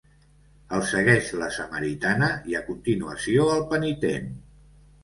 El segueix la Samaritana i a continuació el penitent.